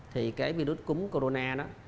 thì cái virus cúng corona đó